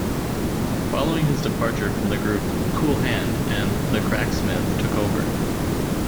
Following his departure from the group, Cool Hand and The Cracksmith took over.